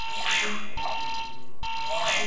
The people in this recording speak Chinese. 类花岗园蛛为园蛛科园蛛属的动物。